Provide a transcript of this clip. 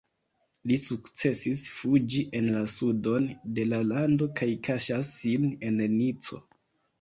Li sukcesis fuĝi en la sudon de la lando kaj kaŝas sin en Nico.